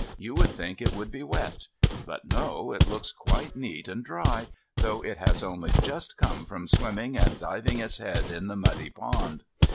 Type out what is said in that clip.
You would think it would be wet. But no, it looks quite neat and dry, though it has only just come from swimming and diving its head in the muddy pond.